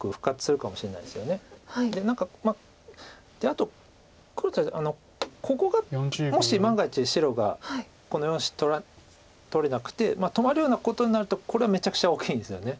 あと黒としてはここがもし万が一白がこの４子取れなくて止まるようなことになるとこれはめちゃくちゃ大きいんですよね。